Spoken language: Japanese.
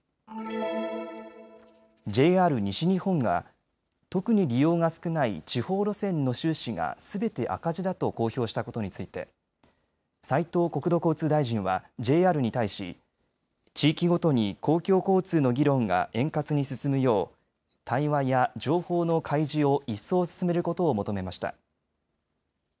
ＪＲ西日本が特に利用が少ない地方路線の収支がすべて赤字だと公表したことについて斉藤国土交通大臣はＪＲに対し地域ごとに公共交通の議論が円滑に進むよう対話や情報の開示を一層進めることを求めました。